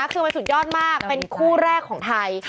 คือมันสุดยอดมากเป็นคู่แรกของไทย